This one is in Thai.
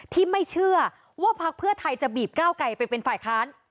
ที่ไม่เชื่อว่าพักเพื่อไทยจะบีบก้าวไกลไปเป็นฝ่ายค้าน